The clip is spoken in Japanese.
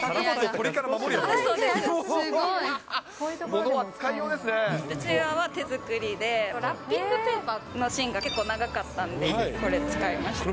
こちらは手作りで、ラッピングペーパーの芯が結構長かったんで、これ使いました。